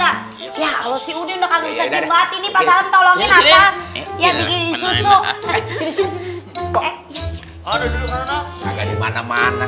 ya kalo si udin udah kagak bisa jembat ini pak satan tolongin apa